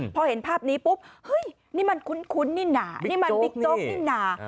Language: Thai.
พอเห็นภาพนี้ปุ๊บเฮ้ยนี่มันคุ้นนี่หนานี่มันบิ๊กโจ๊กนี่หนา